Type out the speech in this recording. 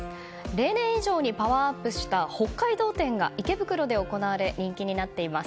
例年以上にパワーアップした北海道展が池袋で行われ人気になっています。